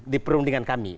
di perundingan kami